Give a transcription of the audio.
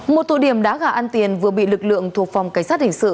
một tụ điểm đá gà ăn tiền vừa bị lực lượng thuộc phòng cảnh sát hình sự